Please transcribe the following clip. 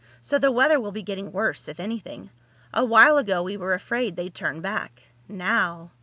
"So the weather will be getting worse, if anything. A while ago we were afraid they'd turn back. Now...."